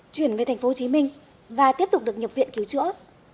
chuyển về tp hcm và tiếp tục được nhập viện cứu chữa